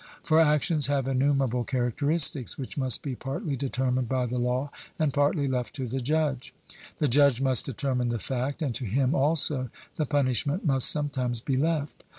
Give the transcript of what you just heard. For actions have innumerable characteristics, which must be partly determined by the law and partly left to the judge. The judge must determine the fact; and to him also the punishment must sometimes be left.